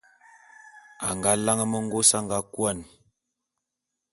A nga lane mengôs a nga kôan.